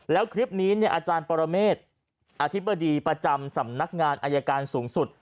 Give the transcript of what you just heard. แล้วคลิปนี้อาจารย์ปรเมษอธิบดีประจำสำนักงานอายการสูงสุด